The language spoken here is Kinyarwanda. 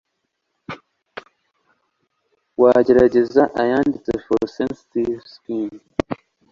wagerageza ayanditse for sensitive skin,